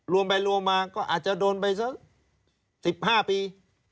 รวมไปรวมมาก็อาจจะโดนไปสัก๑๕ปี